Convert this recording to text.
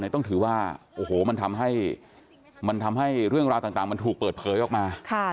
น้องที่เขาออกมาแจ้งความต้องถือว่ามันทำให้เรื่องราวต่างมันถูกเปิดเผยออกมา